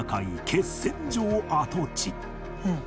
決戦場跡地